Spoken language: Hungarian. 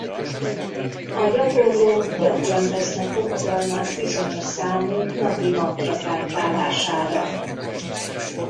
A gyakorlók gyakran tesznek fogadalmat bizonyos számú napi mantra kántálására.